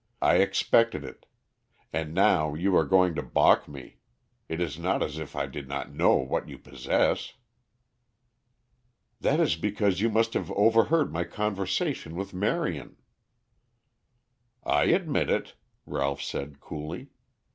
"I expected it. And now you are going to balk me. It is not as if I did not know what you possess." "That is because you must have overheard my conversation with Marion." "I admit it," Ralph said coolly.